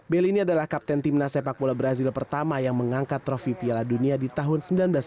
belly ini adalah kapten timnas sepak bola brazil pertama yang mengangkat trofi piala dunia di tahun seribu sembilan ratus sembilan puluh